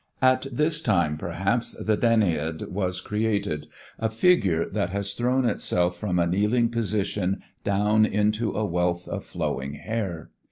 At this time, perhaps, the Danaide was created, a figure that has thrown itself from a kneeling position down into a wealth of flowing hair.